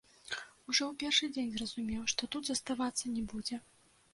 Ужо ў першы дзень зразумеў, што тут заставацца не будзе.